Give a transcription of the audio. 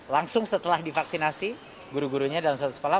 langsung setelah divaksinasi guru gurunya dalam satu sekolah